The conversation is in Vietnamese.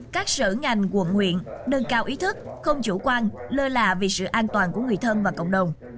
các sở ngành quận huyện nâng cao ý thức không chủ quan lơ là vì sự an toàn của người thân và cộng đồng